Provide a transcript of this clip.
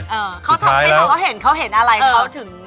เขาเห็นอะไรเขาถึงยอมให้พี่ได้เล่นนะคะ